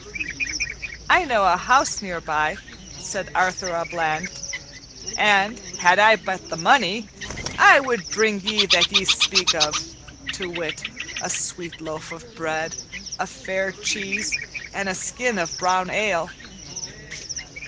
'" "I know a house near by," said Arthur a Bland, "and, had I but the money, I would bring ye that ye speak of; to wit, a sweet loaf of bread, a fair cheese, and a skin of brown ale."